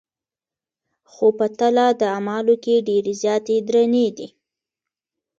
خو په تله د اعمالو کي ډېرې زياتي درنې دي